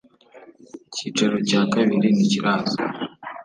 icyicaro cyakabiri ntikiraza.